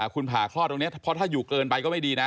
คุณผ่าคลอดตรงนี้เพราะถ้าอยู่เกินไปก็ไม่ดีนะ